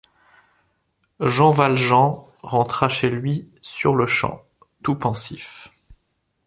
Jean Valjean rentra chez lui sur-le-champ, tout pensif.